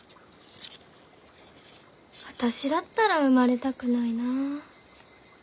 私だったら生まれたくないなあ。